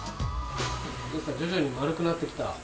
徐々に丸くなってきた。